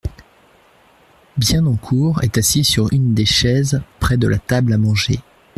Bienencourt est assis sur une des chaises près de la table à manger.